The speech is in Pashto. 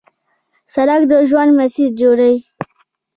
سړک د ژوند مسیر جوړوي.